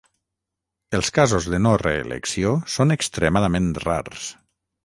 Els casos de no reelecció són extremadament rars.